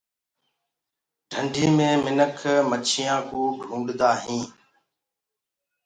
ڍنڊي مي منک مڇيآنٚ ڪي ڪرآ ڪوجآ ڪردآ هينٚ۔